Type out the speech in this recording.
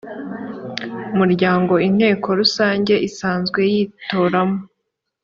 muryango inteko rusange isanzwe yitoramo